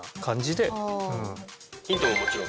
ヒントももちろん。